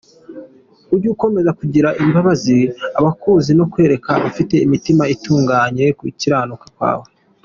Ujye ukomeza kugirira imbabazi abakuzi, No kwereka abafite imitima itunganye gukiranuka kwawe.